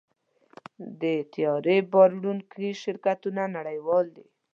د طیارې بار وړونکي شرکتونه نړیوال دي.